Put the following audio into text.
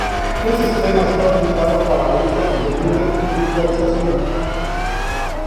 Su sistema está orientado para usos de nube y virtualización.